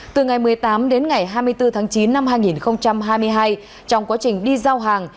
từ ngày một mươi tám đến ngày hai mươi bốn tháng chín năm hai nghìn hai mươi hai trong quá trình đi giao hàng